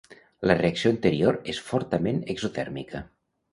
La reacció anterior és fortament exotèrmica.